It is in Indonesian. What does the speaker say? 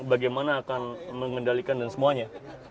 bagaimana akan mengendalikan dan semuanya